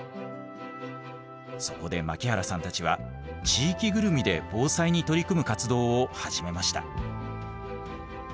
そこで槙原さんたちは地域ぐるみで防災に取り組む活動を始めました。